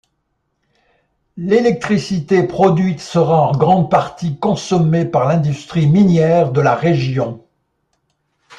L'électricité produite sera en grande partie consommée par l'industrie minière de la région.